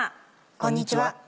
こんにちは。